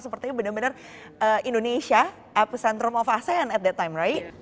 itu bener bener indonesia apesan romo fasan at that time right